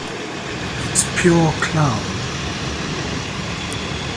It's pure clown.